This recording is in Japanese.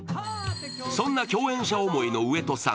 そんな共演者思いの上戸さん